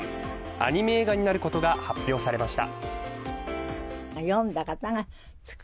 アニメ映画になることが発表されました。